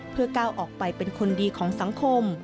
เพื่อก้าวออกไปเป็นคนดีของสังคม